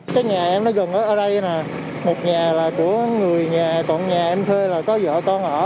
cái nhà em nó gần ở đây là một nhà là của người nhà còn nhà em thuê là có vợ con ở